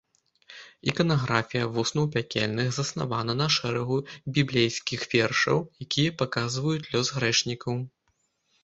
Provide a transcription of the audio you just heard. Іканаграфія вуснаў пякельных заснавана на шэрагу біблейскіх вершаў, якія паказваюць лёс грэшнікаў.